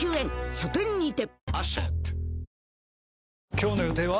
今日の予定は？